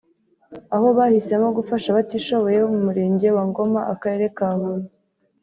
aho bahisemo gufasha abatishoboye bo mu murenge wa Ngoma akarere ka Huye